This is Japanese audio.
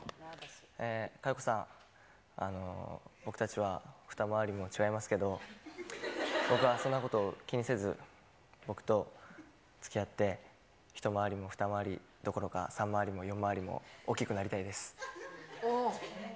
佳代子さん、あの、僕たちは二回りも違いますけど、僕はそんなこと、気にせず、僕とつきあって一回り、二回りどころか三回りも四回りも大きくなりたいです。